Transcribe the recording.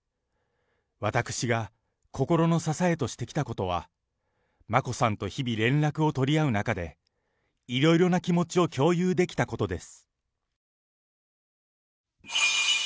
私が心の支えとしてきたことは、眞子さんと日々連絡を取り合う中で、いろいろな気持ちを共有できたことです。